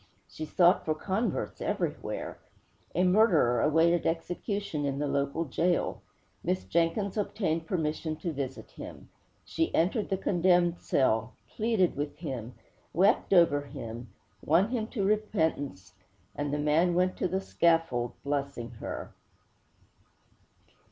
She sought for converts everywhere. A murderer awaited execution in the local gaol. Miss Jenkins obtained permission to visit him. She entered the condemned cell, pleaded with him, wept over him, won him to repentance, and the man went to the scaffold blessing her.